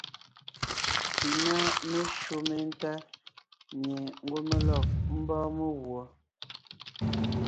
Pi ná meshÿó méntá mie ngwɔ́ mé lɔg ḿbɔ́ɔn meguɔ.